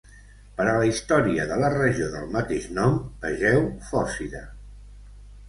Per a la història de la regió del mateix nom, vegeu Fòcida.